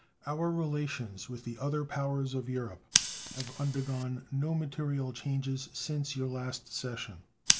Our relations with the other powers of Europe have undergone no material changes since your last session.